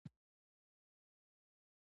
دا ورځ ښه پیل شوې ده.